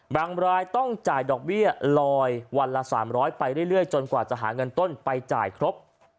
บางรายต้องจ่ายดอกเบี้ยลอยวันละ๓๐๐ไปเรื่อยจนกว่าจะหาเงินต้นไปจ่ายครบ